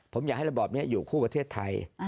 ผมอยากให้ระบอบนี้อยู่คู่ประเทศไทย